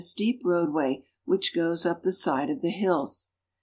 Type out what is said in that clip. Steep roadway which goes up the side of the hills.